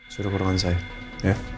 suruh perbincang saya ya